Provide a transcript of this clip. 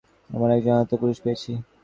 আমরা একজন আহত পুরুষ পেয়েছি।